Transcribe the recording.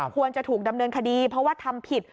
ควรจะถูกดำเนินคดีเพราะว่าทำผิด